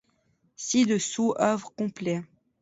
Ci dessous œuvre complet.